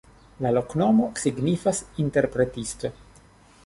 La loknomo signifas: interpretisto.